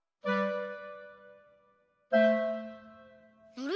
あれ？